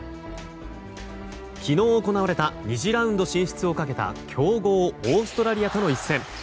昨日行われた２次ラウンド進出をかけた強豪オーストラリアとの一戦。